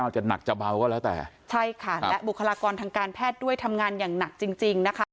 จะหนักจะเบาก็แล้วแต่ใช่ค่ะและบุคลากรทางการแพทย์ด้วยทำงานอย่างหนักจริงจริงนะคะ